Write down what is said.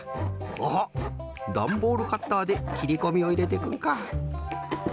おおっダンボールカッターできりこみをいれてくんか。